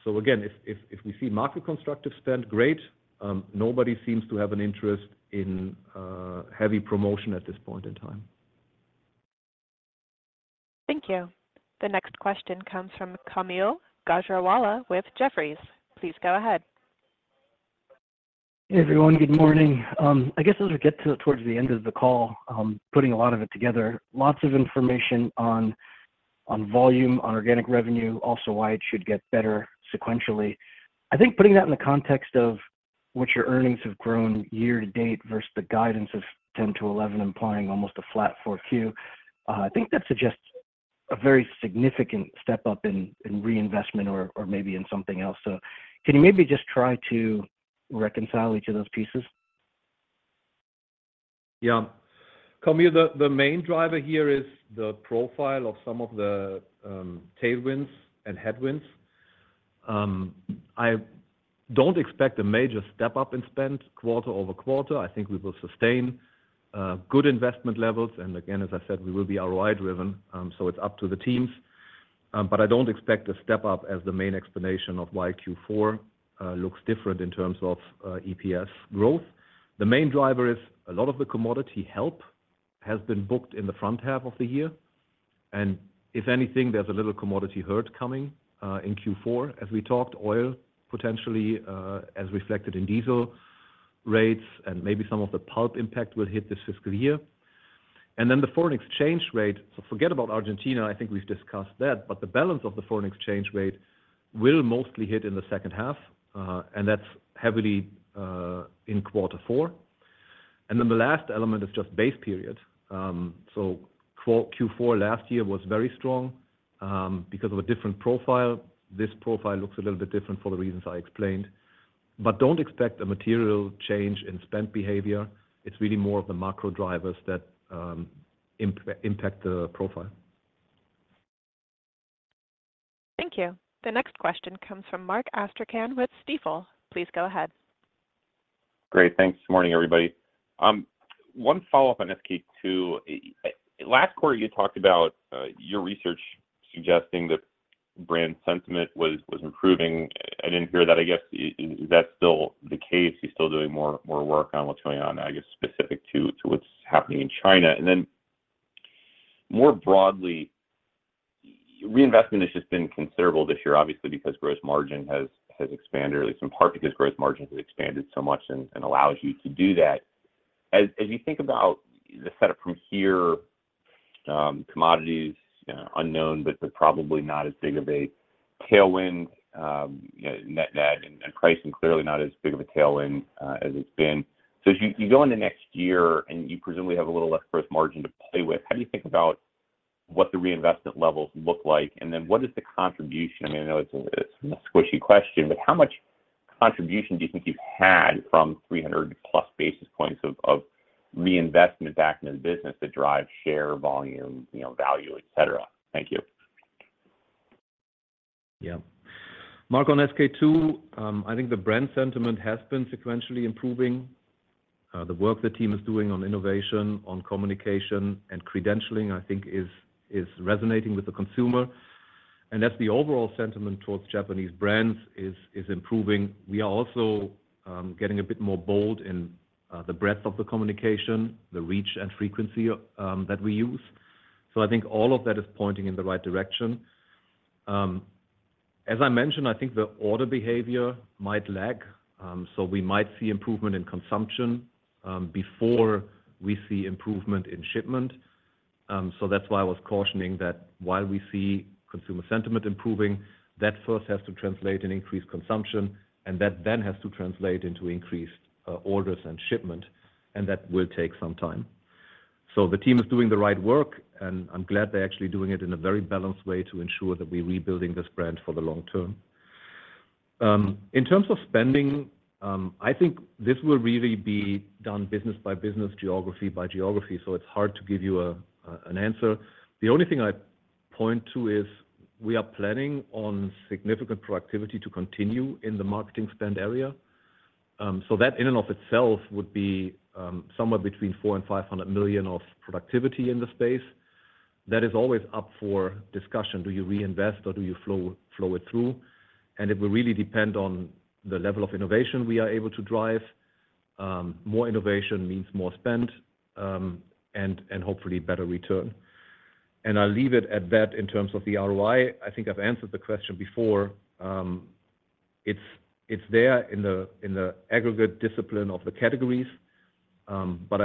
So again, if we see market constructive spend, great. Nobody seems to have an interest in heavy promotion at this point in time. Thank you. The next question comes from Kaumil Gajrawala with Jefferies. Please go ahead. Hey, everyone. Good morning. I guess as we get towards the end of the call, putting a lot of it together, lots of information on volume, on organic revenue, also why it should get better sequentially. I think putting that in the context of what your earnings have grown year to date versus the guidance of 10-11 implying almost a flat 4Q, I think that suggests a very significant step up in reinvestment or maybe in something else. So can you maybe just try to reconcile each of those pieces? Yeah. Kaumil, the main driver here is the profile of some of the tailwinds and headwinds. I don't expect a major step up in spend quarter-over-quarter. I think we will sustain good investment levels. And again, as I said, we will be ROI-driven. So it's up to the teams. But I don't expect a step up as the main explanation of why Q4 looks different in terms of EPS growth. The main driver is a lot of the commodity help has been booked in the front half of the year. And if anything, there's a little commodity headwind coming in Q4, as we talked, oil potentially as reflected in diesel rates, and maybe some of the pulp impact will hit this fiscal year. And then the foreign exchange rate. So forget about Argentina. I think we've discussed that. But the balance of the foreign exchange rate will mostly hit in the second half. And that's heavily in quarter four. And then the last element is just base period. So Q4 last year was very strong because of a different profile. This profile looks a little bit different for the reasons I explained. But don't expect a material change in spend behavior. It's really more of the macro drivers that impact the profile. Thank you. The next question comes from Mark Astrachan with Stifel. Please go ahead. Great. Thanks. Good morning, everybody. One follow-up on SK-II. Last quarter, you talked about your research suggesting that brand sentiment was improving. I didn't hear that. I guess, is that still the case? Are you still doing more work on what's going on, I guess, specific to what's happening in China? And then more broadly, reinvestment has just been considerable this year, obviously, because gross margin has expanded, at least in part because gross margin has expanded so much and allows you to do that. As you think about the setup from here, commodities unknown but probably not as big of a tailwind, net and pricing, clearly not as big of a tailwind as it's been. So as you go into next year and you presumably have a little less gross margin to play with, how do you think about what the reinvestment levels look like? Then what is the contribution? I mean, I know it's a squishy question, but how much contribution do you think you've had from 300+ basis points of reinvestment back into the business that drive share, volume, value, etc.? Thank you. Yeah. Mark, on SK-II, I think the brand sentiment has been sequentially improving. The work the team is doing on innovation, on communication, and credentialing, I think, is resonating with the consumer. And as the overall sentiment towards Japanese brands is improving, we are also getting a bit more bold in the breadth of the communication, the reach, and frequency that we use. So I think all of that is pointing in the right direction. As I mentioned, I think the order behavior might lag. So we might see improvement in consumption before we see improvement in shipment. So that's why I was cautioning that while we see consumer sentiment improving, that first has to translate in increased consumption, and that then has to translate into increased orders and shipment. And that will take some time. So the team is doing the right work. And I'm glad they're actually doing it in a very balanced way to ensure that we're rebuilding this brand for the long term. In terms of spending, I think this will really be done business by business, geography by geography. So it's hard to give you an answer. The only thing I point to is we are planning on significant productivity to continue in the marketing spend area. So that in and of itself would be somewhere between $400 million-$500 million of productivity in the space. That is always up for discussion. Do you reinvest or do you flow it through? And it will really depend on the level of innovation we are able to drive. More innovation means more spend and hopefully better return. And I'll leave it at that in terms of the ROI. I think I've answered the question before. It's there in the aggregate discipline of the categories. But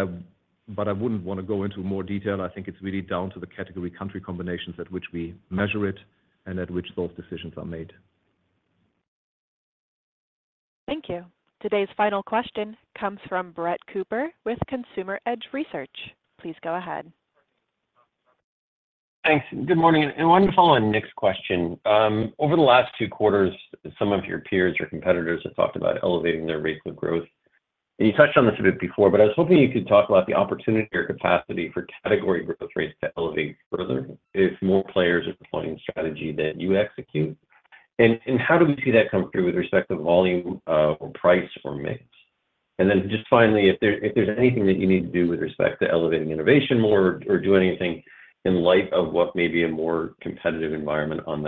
I wouldn't want to go into more detail. I think it's really down to the category country combinations at which we measure it and at which those decisions are made. Thank you. Today's final question comes from Brett Cooper with Consumer Edge Research. Please go ahead. Thanks. Good morning. Wanted to follow on Nik's question. Over the last two quarters, some of your peers or competitors have talked about elevating their rate of growth. You touched on this a bit before, but I was hoping you could talk about the opportunity or capacity for category growth rates to elevate further if more players are deploying strategy that you execute. How do we see that come through with respect to volume or price or mix? Then just finally, if there's anything that you need to do with respect to elevating innovation more or do anything in light of what may be a more competitive environment on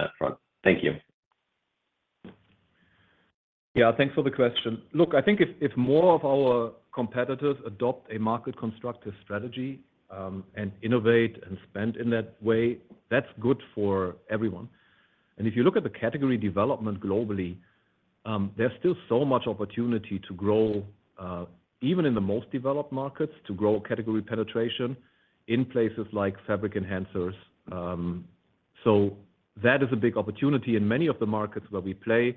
that front? Thank you. Yeah. Thanks for the question. Look, I think if more of our competitors adopt a market constructive strategy and innovate and spend in that way, that's good for everyone. And if you look at the category development globally, there's still so much opportunity to grow even in the most developed markets, to grow category penetration in places like fabric enhancers. So that is a big opportunity. In many of the markets where we play,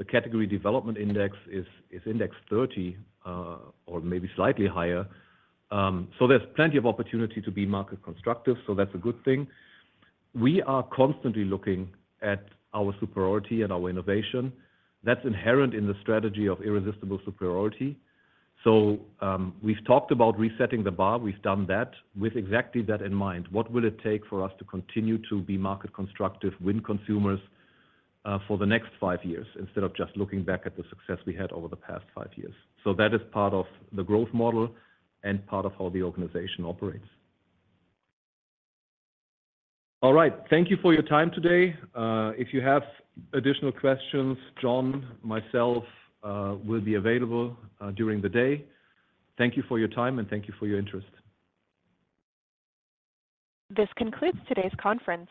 the category development index is index 30 or maybe slightly higher. So there's plenty of opportunity to be market constructive. So that's a good thing. We are constantly looking at our superiority and our innovation. That's inherent in the strategy of Irresistible Superiority. So we've talked about resetting the bar. We've done that with exactly that in mind. What will it take for us to continue to be market constructive, win consumers for the next five years instead of just looking back at the success we had over the past five years? So that is part of the growth model and part of how the organization operates. All right. Thank you for your time today. If you have additional questions, John, myself will be available during the day. Thank you for your time, and thank you for your interest. This concludes today's conference.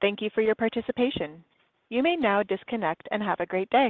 Thank you for your participation. You may now disconnect and have a great day.